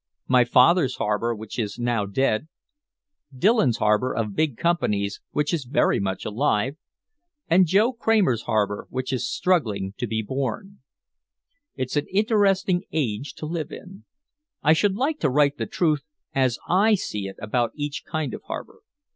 "My father's harbor which is now dead, Dillon's harbor of big companies which is very much alive, and Joe Kramer's harbor which is struggling to be born. It's an interesting age to live in. I should like to write the truth as I see it about each kind of harbor.